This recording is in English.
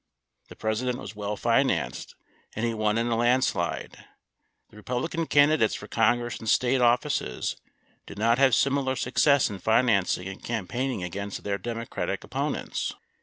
The President was well financed, and he won in a land slide. The Republican candidates for Congress and State offices did not have similar success in financing and campaigning against their Democratic opponents.